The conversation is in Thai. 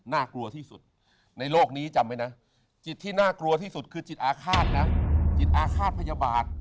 น่ากลัวที่สุดในโลกนี้จำไว้นะจิตที่น่ากลัวที่สุดคือจิตอาฆาตนะจิตอาฆาตพยาบาท